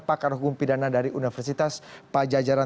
pakar hukum pidana dari universitas pajajaran